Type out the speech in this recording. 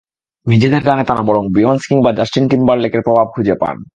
নিজেদের গানে তাঁরা বরং বিয়ন্স কিংবা জাস্টিন টিম্বারলেকের প্রভাব খুঁজে পান।